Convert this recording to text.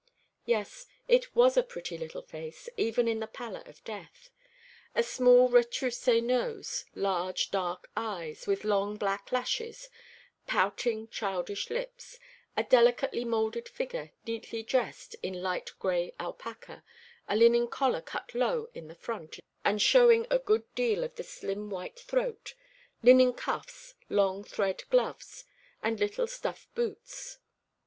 Yes, it was a pretty little face, even in the pallor of death. A small retroussé nose; large dark eyes, with long black lashes; pouting, childish lips; a delicately moulded figure, neatly dressed in light gray alpaca, a linen collar cut low in the front and showing a good deal of the slim white throat, linen cuffs, long thread gloves, and little stuff boots.